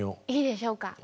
いいでしょうか？